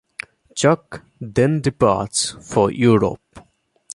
Chuck then departs for Europe.